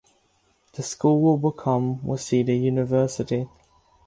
The school will become Waseda University.